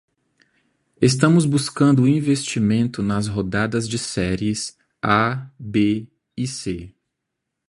Estamos buscando investimento nas rodadas de Series A, B e C.